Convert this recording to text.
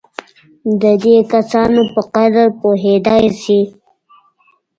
د دې کسانو په قدر پوهېدای شي.